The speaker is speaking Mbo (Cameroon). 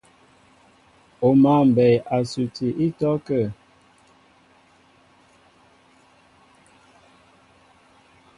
O mǎ mbɛɛ a suti ítɔ́kə́ə́.